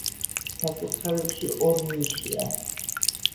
საკურთხეველში ორი ნიშია.